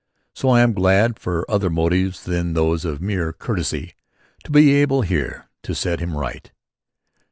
So I am glad for other motives than those of mere courtesy to be able here to set him right.